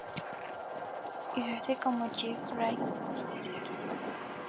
Ejerce como Chief Risk Officer.